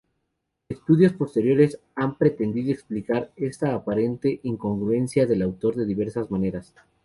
Estudiosos posteriores han pretendido explicar esta aparente incongruencia del autor de diversas maneras.